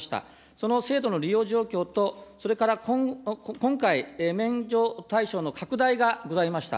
その制度の利用状況と、それから今回、免除対象の拡大がございました。